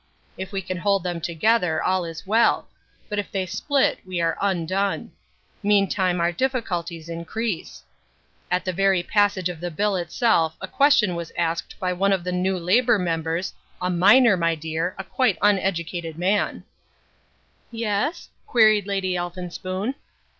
If we can hold them together all is well, but if they split we are undone. Meantime our difficulties increase. At the very passage of the Bill itself a question was asked by one of the new labour members, a miner, my dear, a quite uneducated man " "Yes?" queried Lady Elphinspoon.